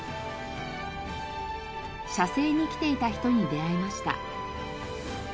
写生に来ていた人に出会いました。